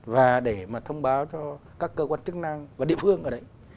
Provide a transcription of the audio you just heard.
và để mà thông báo cho các cơ quan chức năng và địa phương ở đấy